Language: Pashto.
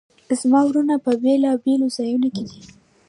زما وروڼه په بیلابیلو ځایونو کې دي